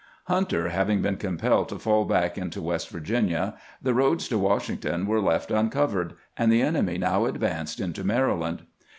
Hunter having been compelled to fall back into West Virginia, the roads to Washington were left uncovered, and the enemy now advanced into Maryland.